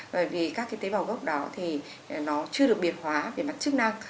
bởi vì các cái tế bào gốc đó thì nó chưa được biệt hóa về mặt chức năng